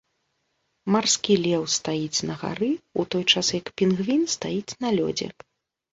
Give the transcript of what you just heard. Марскі леў стаіць на гары, у той час як пінгвін стаіць на лёдзе.